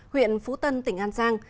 huyện phú tân tỉnh an giang